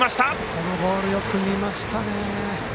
このボールよく見ましたね。